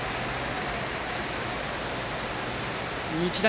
日大